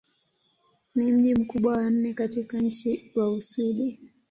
Ni mji mkubwa wa nne katika nchi wa Uswidi.